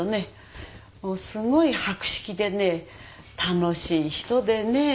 もうすごい博識でね楽しい人でね。